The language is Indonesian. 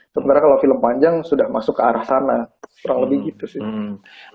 sementara kalau film panjang sudah masuk ke arah sana kurang lebih gitu sih